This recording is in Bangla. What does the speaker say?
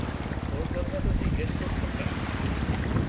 ওঁর কথা এত জিজ্ঞেস করছেন কেন?